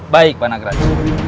baik pak nagraj